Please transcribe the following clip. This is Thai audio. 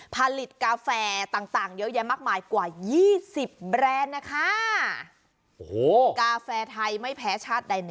ผลิตกาแฟต่างต่างเยอะแยะมากมายกว่ายี่สิบแบรนด์นะคะโอ้โหกาแฟไทยไม่แพ้ชาติใดนะ